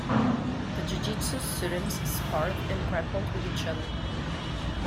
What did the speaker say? The jujitsu students sparred and grappled with each other.